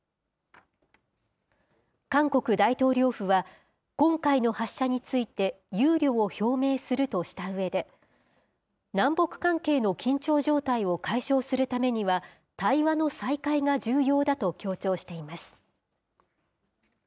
韓国大統領府は、今回の発射について憂慮を表明するとしたうえで、南北関係の緊張状態を解消するためには、対話の再開が重要だと強調しています。